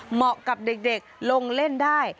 เหมาะกับเด็กลงเล่นได้